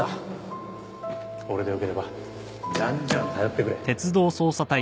俺でよければじゃんじゃん頼ってくれ。